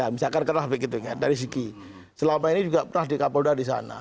misalkan karena begitu kan dari segi selama ini juga pernah di kapolda di sana